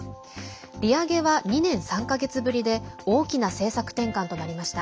利上げは２年３か月ぶりで大きな政策転換となりました。